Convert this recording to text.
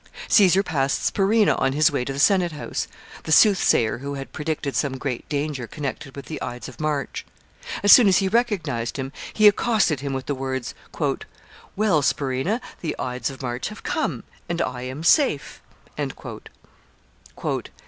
] Caesar passed Spurinna on his way to the senate house the soothsayer who had predicted some great danger connected with the Ides of March. As soon as he recognized him, he accosted him with the words, "Well, Spurinna, the Ides of March have come, and I am safe."